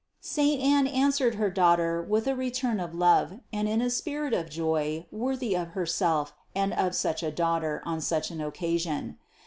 721. Saint Anne answered her Daughter with a re turn of love and in a spirit of joy worthy of herself and of such a Daughter on such an occasion.